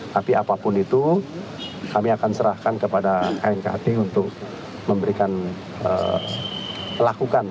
tapi apapun itu kami akan serahkan kepada knkt untuk memberikan lakukan suatu kearif yang disediakan kejadian kejadian ini